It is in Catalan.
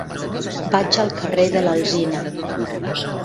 Vaig al carrer de l'Alzina.